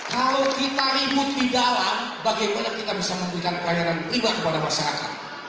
kalau kita ribut di dalam bagaimana kita bisa memberikan pelayanan pribadi kepada masyarakat